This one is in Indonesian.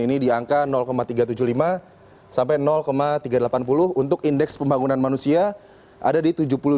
ini di angka tiga ratus tujuh puluh lima sampai tiga ratus delapan puluh untuk indeks pembangunan manusia ada di tujuh puluh tujuh